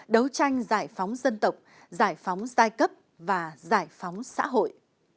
đấu tranh giải phóng dân tộc giải phóng giai cấp và giải phóng xã hội